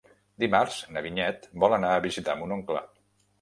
Dimarts na Vinyet vol anar a visitar mon oncle.